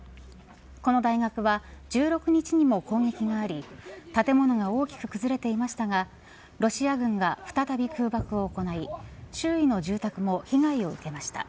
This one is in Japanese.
この大学は１６日にも攻撃があり建物が大きく崩れていましたがロシア軍が再び空爆を行い周囲の住宅も被害を受けました。